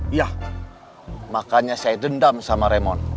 iya makanya saya dendam sama remon